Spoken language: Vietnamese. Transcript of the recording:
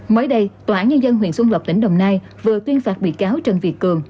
mới đây tòa án nhân dân huyện xuân lộc tỉnh đồng nai vừa tuyên phạt bị cáo trần việt cường